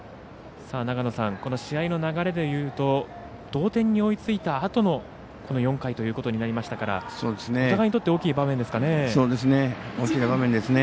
この試合の流れで言うと同点に追いついたあとの４回ということになりましたからお互いにとって大きい場面ですかね。